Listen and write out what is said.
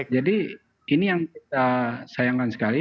jadi ini yang kita sayangkan sekali